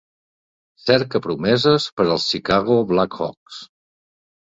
Cercapromeses per als Chicago Blackhawks.